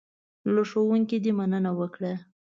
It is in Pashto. له ښوونکي دې مننه وکړه .